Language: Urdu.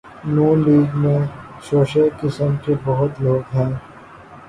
ن لیگ میں شوشے قسم کے بہت لوگ ہیں۔